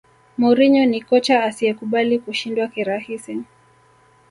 mourinho ni kocha asiyekubali kushindwa kirahisi